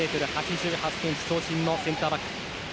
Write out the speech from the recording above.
１ｍ８８ｃｍ長身のセンターバック。